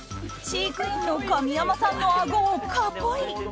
飼育員の上山さんのあごをカポリ。